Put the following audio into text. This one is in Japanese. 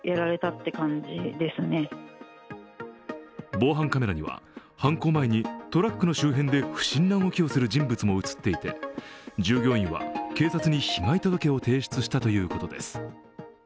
防犯カメラには、犯行前にトラックの周辺で不審な動きをする人物も映っていて従業員は警察に被害届を提出したということです。